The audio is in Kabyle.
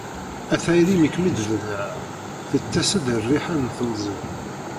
A tayri mi kem-id-bedreɣ tettas-d rriḥa n temẓi-w!